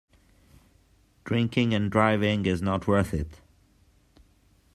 Drinking and driving is not worth it.